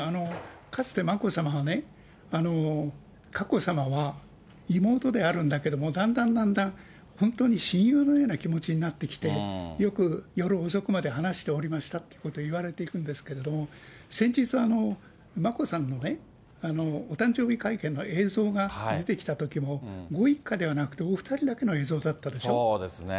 かつて、眞子さまはね、佳子さまは妹であるんだけれども、だんだんだんだん、本当に親友のような気持ちになってきてて、よく夜遅くまで話しておりましたということを言われてるんですけれども、先日、眞子さんのお誕生日会見の映像が出てきたときも、ご一家ではなくて、お２人だけの映像だったでしょ。